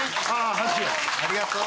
ありがとう。